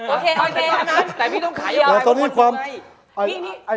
โอเคเอาไงแต่พี่ต้องขายอ่ะ